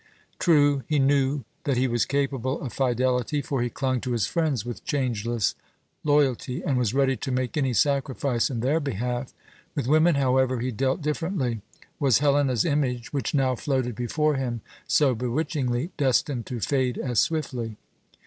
True, he knew that he was capable of fidelity, for he clung to his friends with changeless loyalty, and was ready to make any sacrifice in their behalf. With women, however, he dealt differently. Was Helena's image, which now floated before him so bewitchingly, destined to fade as swiftly?